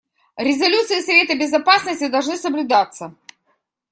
Резолюции Совета Безопасности должны соблюдаться.